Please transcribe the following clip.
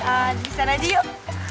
eh disana aja yuk